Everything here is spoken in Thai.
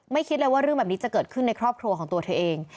คิดเลยว่าเรื่องแบบนี้จะเกิดขึ้นในครอบครัวของตัวเธอเอง